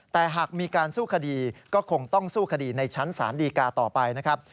แต่หากมีการสู้คดีก็คงต้องสู้คดีในชั้นศาลดีกาต่อไปนะครับ